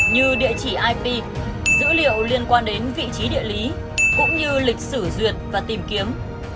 như địa chỉ ip dữ liệu liên quan đến vị trí địa lý cũng như lịch sử duyệt và tìm kiếm